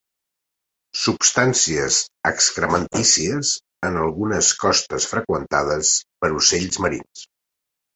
Substàncies excrementícies en algunes costes freqüentades per ocells marins.